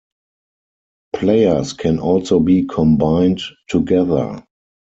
Players can also be combined together.